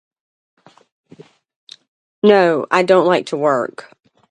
No, I don't like to work.